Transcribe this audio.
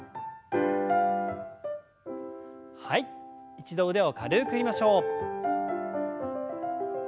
一度腕を軽く振りましょう。